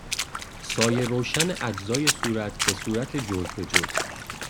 سایه روشن اجزای صورت به صورت جزء به جزء